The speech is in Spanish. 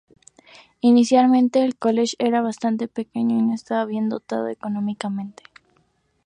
Inicialmente el college era bastante pequeño y no estaba bien dotado económicamente.